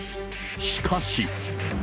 しかし。